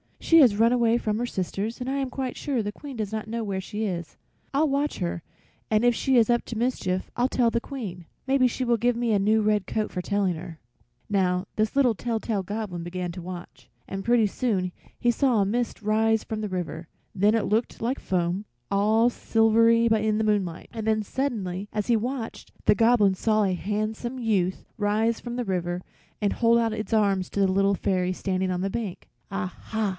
"She has run away from her sisters, and I am quite sure the Queen does not know where she is. I'll watch her, and if she is up to mischief I'll tell the Queen. Maybe she will give me a new red coat for telling her." Now, this little tell tale Goblin began to watch, and pretty soon he saw a mist rise from the river; then it looked like foam, all silvery, in the moonlight. And then suddenly as he watched, the goblin saw a handsome youth rise from the river and hold out his arms to the Little Fairy standing on the bank. "Ah ha!"